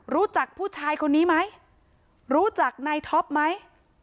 รู้จักผู้ชายคนนี้ไหมรู้จักนายท็อปไหม